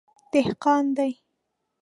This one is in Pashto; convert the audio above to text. _دهقان دی.